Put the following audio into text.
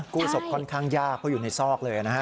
ศพค่อนข้างยากเพราะอยู่ในซอกเลยนะฮะ